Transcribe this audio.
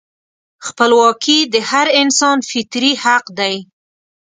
خپلواکي د هر انسان فطري حق دی.